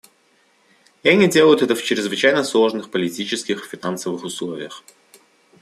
И они делают это в чрезвычайно сложных политических и финансовых условиях.